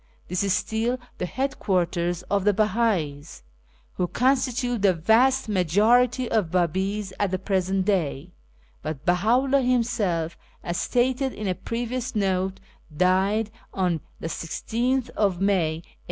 This is still the headquarters of the Beha'is (who constitute the vast majority of Babis at the present day), but Behdhi'lldh him self, as stated in a previous note, died on 16th May 1892.